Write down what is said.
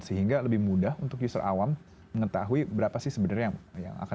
sehingga lebih mudah untuk user awam mengetahui berapa sih sebenarnya yang akan